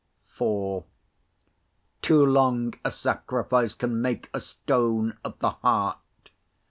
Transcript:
IVToo long a sacrifice Can make a stone of the heart.